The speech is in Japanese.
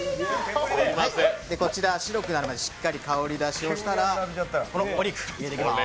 こちら白くなるまでしっかり香りだししたら、このお肉、入れていきます。